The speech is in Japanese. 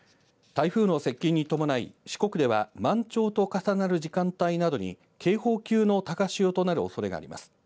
台風の接近に伴い、四国では、満潮と重なる時間帯などに警報級の高潮となるおそれがあります。